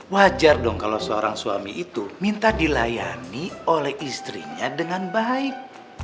wajar dong kalau seorang suami itu minta dilayani oleh istrinya dengan baik